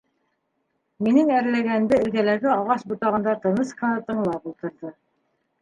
Минең әрләгәнде эргәләге ағас ботағында тыныс ҡына тыңлап ултырҙы.